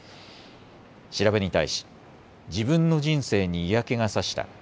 調べに対し自分の人生に嫌気がさした。